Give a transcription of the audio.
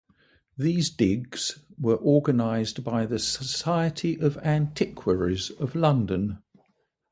These digs were organized by the Society of Antiquaries of London.